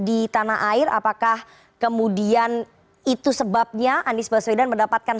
di tanah air apakah kemudian itu sebabnya anies baswedan mendapatkan